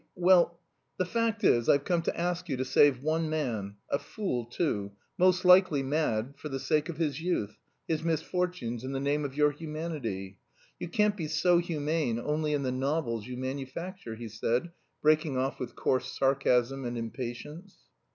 well, the fact is, I've come to ask you to save one man, a fool too, most likely mad, for the sake of his youth, his misfortunes, in the name of your humanity.... You can't be so humane only in the novels you manufacture!" he said, breaking off with coarse sarcasm and impatience.